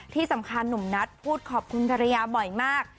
ที่สำคัญหนุ่มนัทพูดขอบคุณภรรยาบ่อยมาก